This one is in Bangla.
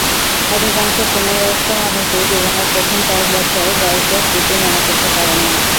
অধিকাংশ পূর্ণবয়স্ক মানুষই জীবনের প্রথম কয়েক বছর বয়সের স্মৃতি মনে করতে পারেন না।